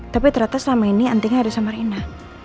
tapi ternyata selama ini antingnya ada sama rena